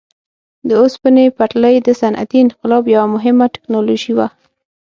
د اوسپنې پټلۍ د صنعتي انقلاب یوه مهمه ټکنالوژي وه.